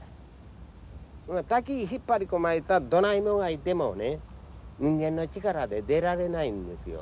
滝に引っ張り込まれたらどないもがいてもね人間の力で出られないんですよ。